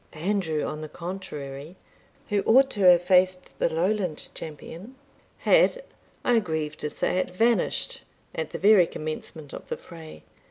Andrew, on the contrary, who ought to have faced the Lowland champion, had, I grieve to say it, vanished at the very commencement of the fray.